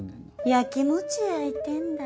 やきもちやいてんだ。